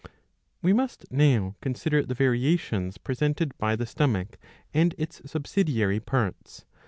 We must now consider the variations presented by the stomach and its subsidiary parts.